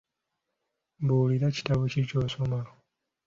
Mbuulira kitabo ki ky'osoma?